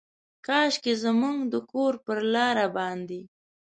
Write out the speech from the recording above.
کاشکي زموږ د کور پر لاره باندې،